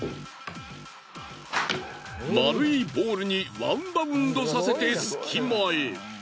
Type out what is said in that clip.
丸いボールにワンバウンドさせて隙間へ。